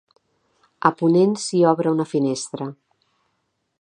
A ponent s'hi obre una finestra.